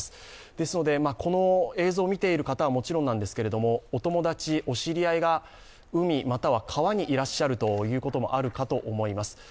ですのでこの映像を見ている方はもちろんですがお友達、お知り合いが海または川にいらっしゃるということもあるかと思います。